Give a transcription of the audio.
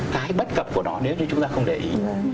cái bất cập của nó nếu như chúng ta không để ý